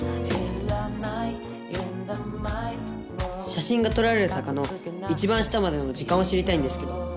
写真が撮られる坂の一番下までの時間を知りたいんですけど。